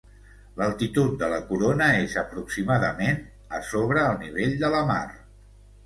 L'altitud de la corona és aproximadament a, sobre el nivell de la mar.